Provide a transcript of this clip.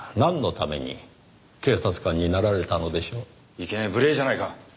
いきなり無礼じゃないか。